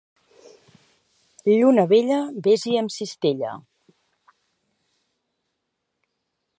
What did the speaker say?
Lluna vella, ves-hi amb cistella.